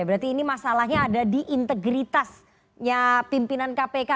berarti ini masalahnya ada di integritasnya pimpinan kpk